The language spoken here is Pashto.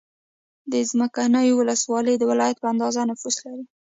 څمکنیو ولسوالۍ د ولایت په اندازه نفوس لري.